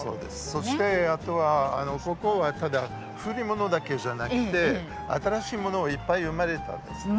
そして、ここは古いものだけじゃなくて新しいものもいっぱい生まれたんです。